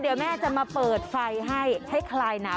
เดี๋ยวแม่จะมาเปิดไฟให้ให้คลายหนาว